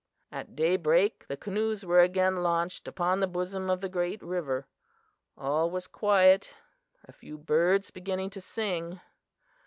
"At daybreak the canoes were again launched upon the bosom of the great river. All was quiet a few birds beginning to sing.